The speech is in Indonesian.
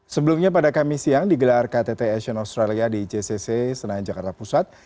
sebelumnya pada kamis siang digelar ktt asian australia di jcc senayan jakarta pusat